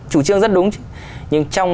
chủ trương rất đúng chứ nhưng trong